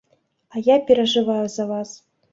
А я перажываю за вас.